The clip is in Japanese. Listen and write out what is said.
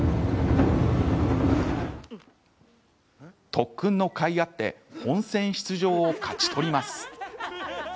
特訓のかいあって本戦出場を勝ち取ります。